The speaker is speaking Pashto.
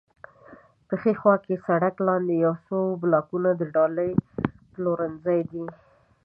په ښي خوا کې د سړک لاندې یو څو بلاکونه د ډالۍ پلورنځی دی.